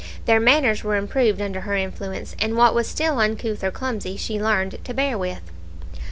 Their manners were improved under her influence, and what was still uncouth or clumsy she learned to bear with.